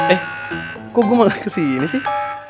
eh kok gue malah kesini sih